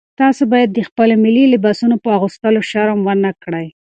تاسي باید د خپلو ملي لباسونو په اغوستلو شرم ونه کړئ.